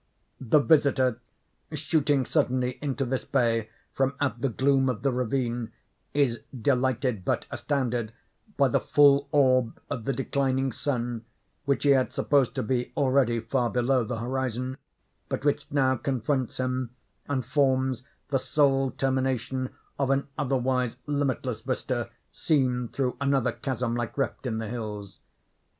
The visitor, shooting suddenly into this bay from out the gloom of the ravine, is delighted but astounded by the full orb of the declining sun, which he had supposed to be already far below the horizon, but which now confronts him, and forms the sole termination of an otherwise limitless vista seen through another chasm like rift in the hills.